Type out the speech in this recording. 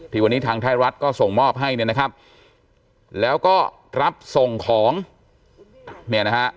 วันนี้ทางไทยรัฐก็ส่งมอบให้เนี่ยนะครับแล้วก็รับส่งของเนี่ยนะฮะ